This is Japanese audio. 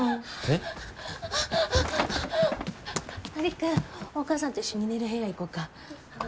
璃久お母さんと一緒に寝る部屋行こうか。